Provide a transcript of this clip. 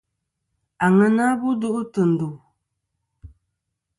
Àŋena bu duʼ tɨ̀ ndù.